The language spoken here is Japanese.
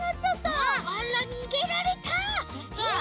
あらにげられた！